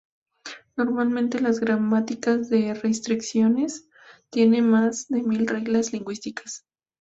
Normalmente las gramáticas de restricciones tienen más de mil reglas lingüísticas.